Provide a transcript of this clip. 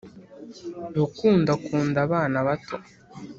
Rukundo akunda abana bato